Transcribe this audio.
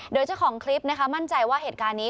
โดยเจ้าของคลิปนะคะมั่นใจว่าเหตุการณ์นี้